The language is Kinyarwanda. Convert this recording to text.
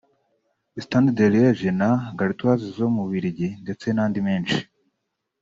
Standard de Liege na La Gantoise zo mu Bubiligi ndetse n’andi menshi